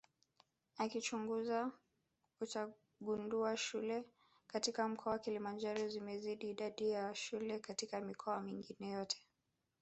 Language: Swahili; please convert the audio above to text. Ukichunguza utagundua shule katika mkoa Kilimanjaro zimezidi idadi ya shule katika mikoa mingine yote